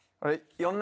４７。